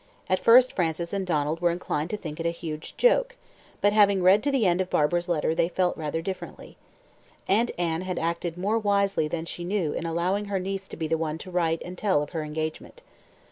At first Frances and Donald were inclined to think it a huge joke, but having read to the end of Barbara's letter they felt rather differently. Aunt Anne had acted more wisely than she knew in allowing her niece to be the one to write and tell of her engagement.